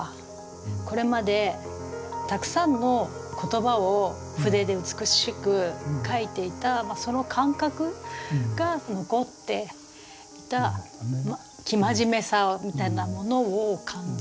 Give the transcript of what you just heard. これまでたくさんの言葉を筆で美しく書いていたその感覚が残っていた生真面目さみたいなものを感じます。